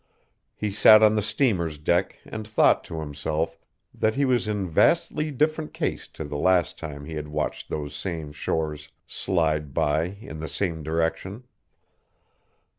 He sat on the steamer's deck and thought to himself that he was in vastly different case to the last time he had watched those same shores slide by in the same direction.